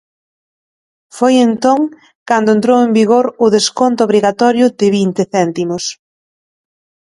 Foi entón cando entrou en vigor o desconto obrigatorio de vinte céntimos.